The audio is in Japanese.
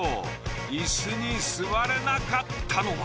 イスに座れなかったのは。